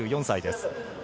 ３４歳です。